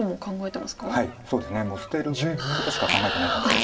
そうですねもう捨てることしか考えてないかもしれないです。